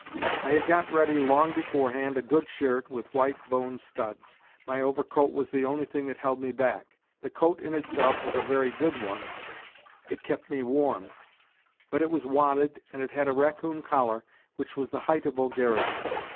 I had got ready long beforehand a good shirt, with white bone studs ; my overcoat was the only thing that held me back. The coat in itself was a very good one, it kept me warm ; but it was wadded and it had a raccoon collar which was the height of vulgarity.